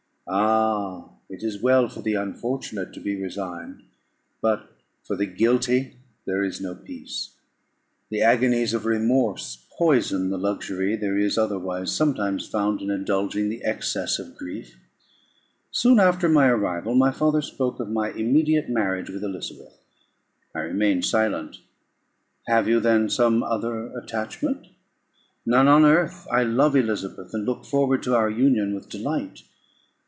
Ah! it is well for the unfortunate to be resigned, but for the guilty there is no peace. The agonies of remorse poison the luxury there is otherwise sometimes found in indulging the excess of grief. Soon after my arrival, my father spoke of my immediate marriage with Elizabeth. I remained silent. "Have you, then, some other attachment?" "None on earth. I love Elizabeth, and look forward to our union with delight.